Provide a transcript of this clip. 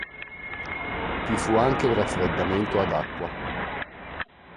Vi fu anche il raffreddamento ad acqua.